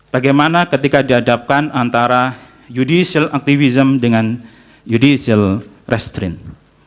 bagaimana ketika dihadapkan antara judicial activism dengan judicial restrin